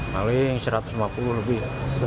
paling satu ratus lima puluh lebih